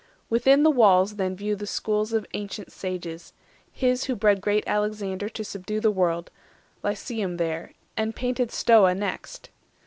Within the walls then view 250 The schools of ancient sages—his who bred Great Alexander to subdue the world, Lyceum there; and painted Stoa next.